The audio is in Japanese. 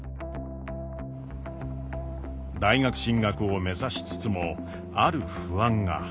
大学進学を目指しつつもある不安が。